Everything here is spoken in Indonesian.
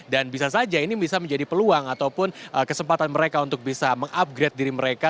dan bisa saja ini bisa menjadi peluang ataupun kesempatan mereka untuk bisa mengupgrade diri mereka